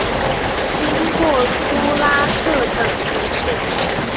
经过苏拉特等城市。